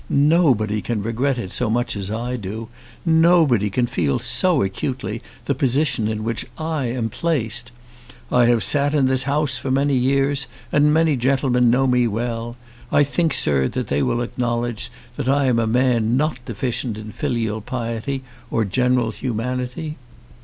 Nobody can regret it so much as I do! Nobody can feel so acutely the position in which I am placed! I have sat in this House for many years, and many gentlemen know me well. I think, Sir, that they will acknowledge that I am a man not deficient in filial piety or general humanity.